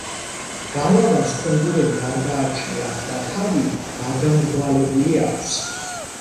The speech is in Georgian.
გალავანს ქონგურები არ გააჩნია და თავი გადამრგვალებული აქვს.